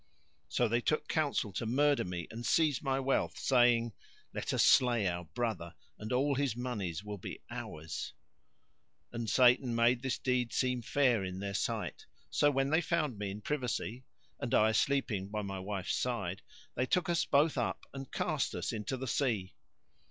So they took counsel to murder me and seize my wealth, saying, "Let us slay our brother and all his monies will be ours;" and Satan made this deed seem fair in their sight; so when they found me in privacy (and I sleeping by my wife's side) they took us both up and cast us into the sea.